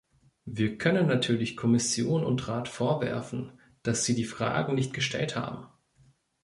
Wir können natürlich Kommission und Rat vorwerfen, dass sie die Fragen nicht gestellt haben.